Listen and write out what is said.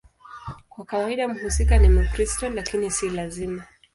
Kwa kawaida mhusika ni Mkristo, lakini si lazima.